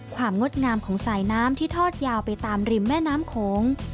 งดงามของสายน้ำที่ทอดยาวไปตามริมแม่น้ำโขง